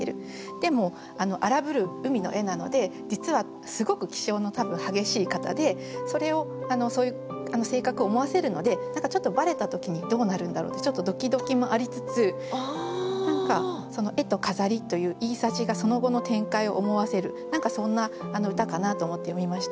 でも「荒ぶる海の絵」なので実はすごく気性の多分激しい方でそれをそういう性格を思わせるので何かちょっとバレた時にどうなるんだろうってちょっとドキドキもありつつ何かその「絵と飾り」という言いさしがその後の展開を思わせる何かそんな歌かなと思って読みました。